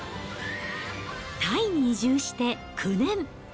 タイに移住して９年。